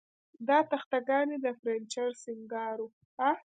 دا تخته ګانې د فرنیچر سینګار و